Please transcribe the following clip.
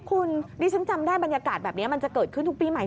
คุณดิฉันจำได้บรรยากาศแบบนี้มันจะเกิดขึ้นทุกปีใหม่